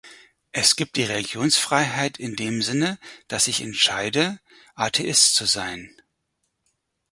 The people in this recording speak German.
Es gibt die Religionsfreiheit in dem Sinne, dass ich entscheide, Atheist zu sein.